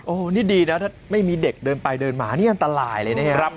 โอ้โหนี่ดีนะถ้าไม่มีเด็กเดินไปเดินมานี่อันตรายเลยนะครับ